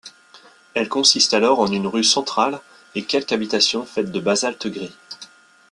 Elle consiste alors en une rue centrale et quelques habitations faites de basalte gris.